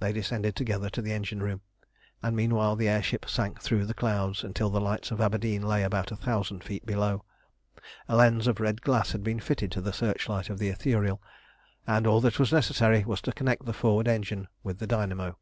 They descended together to the engine room, and meanwhile the air ship sank through the clouds until the lights of Aberdeen lay about a thousand feet below. A lens of red glass had been fitted to the searchlight of the Ithuriel, and all that was necessary was to connect the forward engine with the dynamo.